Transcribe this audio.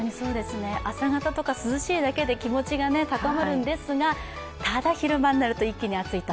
朝方とか涼しいだけで、気持ちが高まるんですが、ただ、昼間になると一気に暑いと。